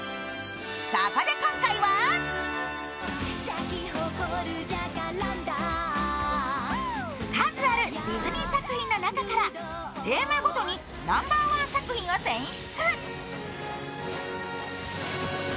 そこで今回は数あるディズニー作品の中からテーマごとにナンバーワン作品を選出。